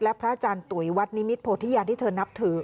และพระอาจารย์ตุ๋ยวัดนิมิตโพธิยาที่เธอนับถือ